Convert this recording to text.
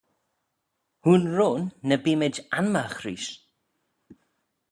Hooin roin ny beemayd anmagh reesht.